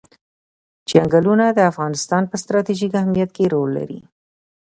چنګلونه د افغانستان په ستراتیژیک اهمیت کې رول لري.